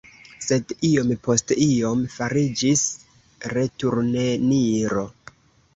Sed iom post iom fariĝis returneniro.